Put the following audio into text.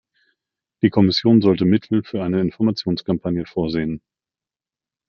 Die Kommission sollte Mittel für eine Informationskampagne vorsehen.